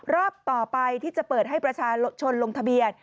รอบต่อไปที่จะเปิดให้ประชาชนลงทะเบียน